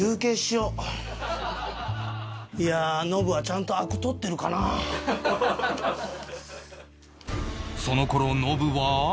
いやあノブはちゃんとアク取ってるかな？その頃ノブは